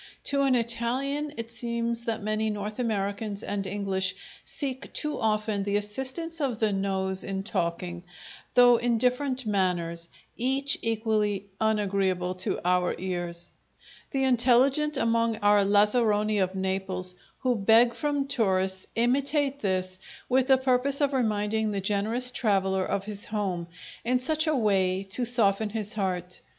To an Italian it seems that many North Americans and English seek too often the assistance of the nose in talking, though in different manners, each equally unagreeable to our ears. The intelligent among our lazzaroni of Naples, who beg from tourists, imitate this, with the purpose of reminding the generous traveller of his home, in such a way to soften his heart.